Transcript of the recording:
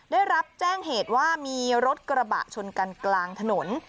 ได้รับแจ้งเหตุว่ามีรถกระบะชนกันกลางถนน